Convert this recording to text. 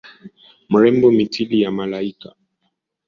Mrembo mithili ya malaika.